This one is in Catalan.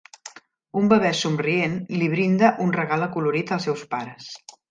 Un bebè somrient li brinda un regal acolorit als seus pares.